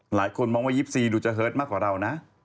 หลายคนมองว่า๒๔ดูจะเฮิร์ตมากกว่าเรานะ